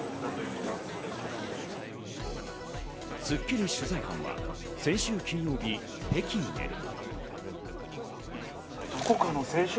『スッキリ』取材班は先週金曜日、北京へ。